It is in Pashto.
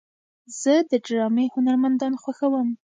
زه د ډرامې هنرمندان خوښوم.